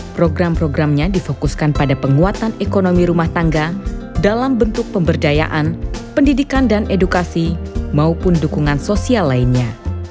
program programnya difokuskan pada penguatan ekonomi rumah tangga dalam bentuk pemberdayaan pendidikan dan edukasi maupun dukungan sosial lainnya